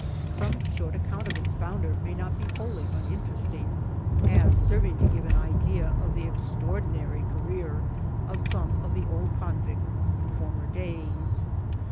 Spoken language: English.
Some short account of its founder may not be wholly uninteresting, as serving to give an idea of the extraordinary career of some of the old convicts in former days.